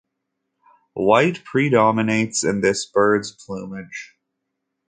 White predominates in this bird's plumage.